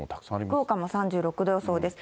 福岡も３６度予想です。